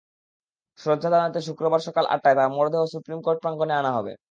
শ্রদ্ধা জানাতে শুক্রবার সকাল আটটায় তাঁর মরদেহ সুপ্রিম কোর্ট প্রাঙ্গণে আনা হবে।